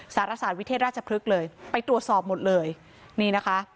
สารศาสตร์วิเทศราชพฤกษ์เลยไปตรวจสอบหมดเลยนี่นะคะ